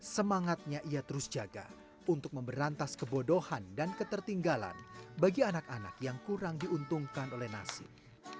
semangatnya ia terus jaga untuk memberantas kebodohan dan ketertinggalan bagi anak anak yang kurang diuntungkan oleh nasib